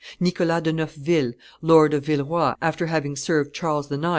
Nicholas de Neufville, Lord of Villeroi, after having served Charles IX.